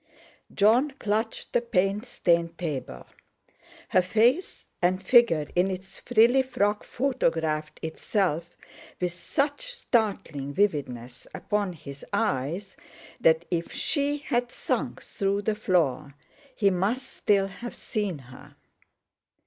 Jon clutched the paint stained table. Her face and figure in its frilly frock photographed itself with such startling vividness upon his eyes, that if she had sunk through the floor he must still have seen her.